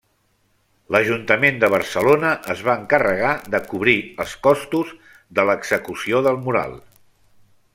L'Ajuntament de Barcelona es va encarregar de cobrir els costos de l'execució del mural.